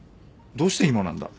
どうして今なんだ？